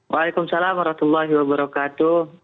waalaikumsalam warahmatullahi wabarakatuh